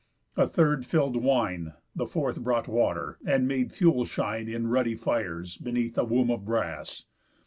A third fill'd wine. The fourth brought water, and made fuel shine In ruddy fires beneath a womb of brass.